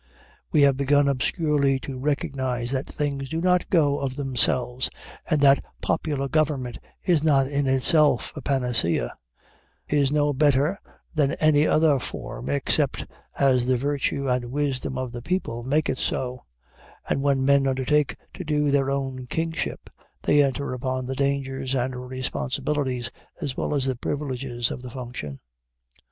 We have begun obscurely to recognize that things do not go of themselves, and that popular government is not in itself a panacea, is no better than any other form except as the virtue and wisdom of the people make it so, and that when men undertake to do their own kingship, they enter upon the dangers and responsibilities as well as the privileges of the function.